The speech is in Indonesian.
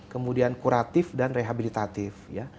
kemudian kuratif dan rehabilitatif